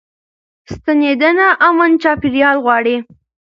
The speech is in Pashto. ستنېدنه امن چاپيريال غواړي.